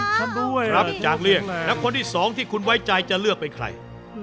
ฉันก็แข็งแรงนะครับจังเลี่ยงนักคนที่สองที่คุณไว้ใจจะเลือกเป็นใคร